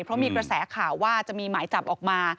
เพราะมีกระแสข่าวว่าจะมีหมายจับออกมา